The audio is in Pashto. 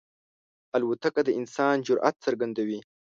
الوتکه د انسان جرئت څرګندوي.